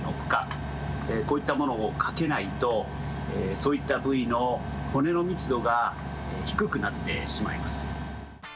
こういったものをかけないとそういったぶいの骨のみつどがひくくなってしまいます。